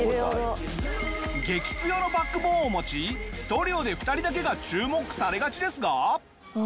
激強のバックボーンを持ちトリオで２人だけが注目されがちですが。